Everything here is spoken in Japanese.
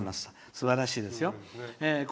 すばらしいですよ。